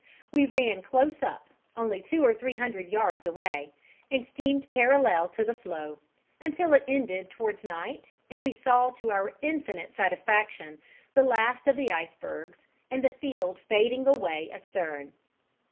We ran close up, only two or three hundred yards away, and steamed parallel to the floe, until it ended towards night and we saw to our infinite satisfaction the last of the icebergs and the field fading away astern.